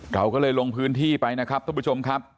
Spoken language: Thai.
เราก็เลยลงพื้นที่ไปนะครับท่านผู้ชมครับ